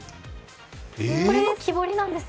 これも木彫りなんです。